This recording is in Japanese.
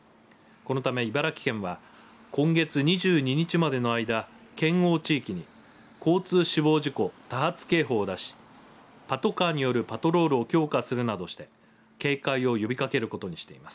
このため茨城県は今月２２日までの間県央地域に交通死亡事故多発警報を出しパトカーによるパトロールを強化するなどして警戒を呼びかけることにしています。